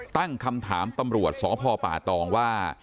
ตั้งคำถามตำรวจสพป่าตองว่า